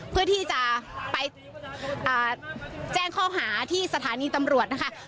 เพื่อที่จะไปแจ้งข้อหาที่สถานีตำรวจนะคะ